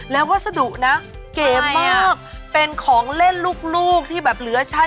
และวัสดุเกมมากเป็นของเล่นลูกที่เหลือใช้